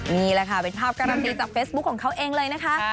นี่แหละค่ะเป็นภาพการันตีจากเฟซบุ๊คของเขาเองเลยนะคะ